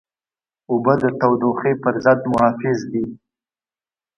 اوبه د تودوخې پر ضد محافظ دي.